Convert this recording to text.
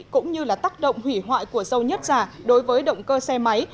cũng như là tác động hủy hoại của dầu nhất giả đối với động cơ xe máy